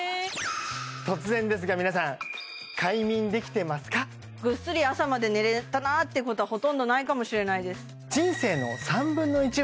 突然ですが皆さんぐっすり朝まで寝れたなっていうことはほとんどないかもしれないです